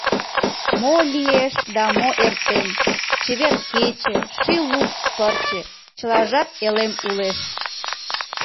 Мо лиеш да мо эртен: Чевер кече, Ший лупс пырче — Чылажат элем улеш.